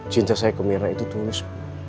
cinta saya ke myrna itu tulis